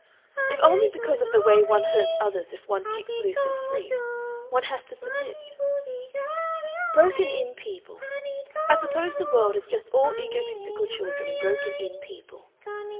"If only because of the way one hurts others if one kicks loose and free, one has to submit.... "Broken in people! I suppose the world is just all egotistical children and broken in people.